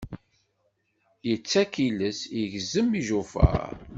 Yettak iles, igezzem ijufaṛ.